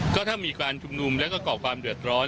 ก็ถ้ามีการชุมนุมแล้วก็ก่อความเดือดร้อน